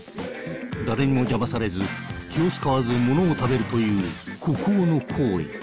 誰にも邪魔されず気を遣わずものを食べるという孤高の行為。